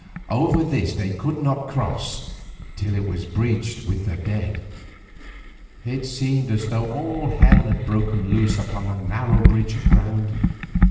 Over this they could not cross till it was bridged with the dead. It seemed as though all hell had broken loose upon that narrow ridge of ground.